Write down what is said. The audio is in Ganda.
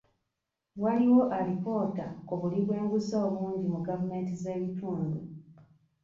Waliwo alipoota ku buli bw'enguzi obungi mu gavumenti z'ebitundu.